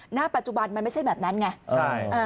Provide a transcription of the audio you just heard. หน้าปัจจุบันมันไม่ใช่แบบนั้นไง